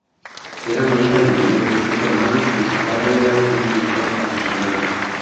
Era la hija mayor de cinco hermanos y su padre era un pintor aficionado.